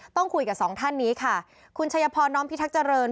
ต้องคุยกับสองท่านนี้ค่ะคุณชัยพรน้อมพิทักษ์เจริญ